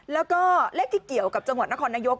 แล้วก็เลขที่เกี่ยวกับจังหวัดนครนายก